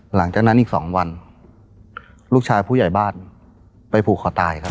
หลังจากนั้นอีก๒วันลูกชายผู้ใหญ่บ้านไปผูกคอตายครับ